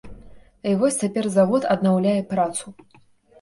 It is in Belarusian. І вось цяпер завод аднаўляе працу.